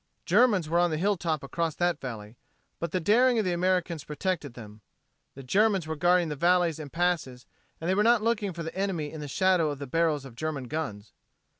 Germans were on the hilltop across that valley. But the daring of the Americans protected them. The Germans were guarding the valleys and the passes and they were not looking for enemy in the shadow of the barrels of German guns.